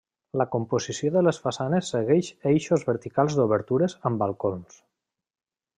La composició de les façanes segueix eixos verticals d'obertures amb balcons.